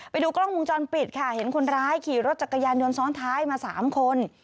ไปดูกล้องวงจรปิดค่ะเห็นคนร้ายขี่รถจักรยานยนต์ซ้อนท้ายมา๓คน